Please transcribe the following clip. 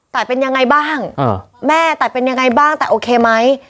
ตายเป็นยังไงบ้างแม่ตายเป็นยังไงบ้างแต่โอเคไหม